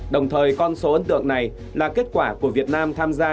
đồng thời con số ấn tượng này là kết quả của việt nam tham gia